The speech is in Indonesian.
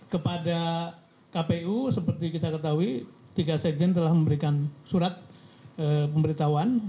kepada kpu seperti kita ketahui tiga sekjen telah memberikan surat pemberitahuan